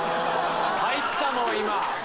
入ったもん今。